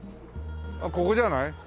ここじゃない？